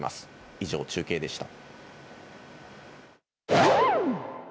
以上、中継でした。